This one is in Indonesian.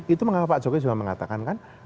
itu mengapa pak jokowi juga mengatakan kan